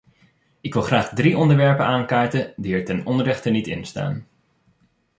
Ik wil graag drie onderwerpen aankaarten, die er ten onrechte niet in staan.